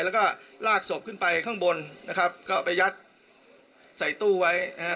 แล้วก็ลากศพขึ้นไปข้างบนนะครับก็ไปยัดใส่ตู้ไว้นะฮะ